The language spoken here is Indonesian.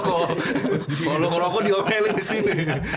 kalau lu ngerokok diomelin disini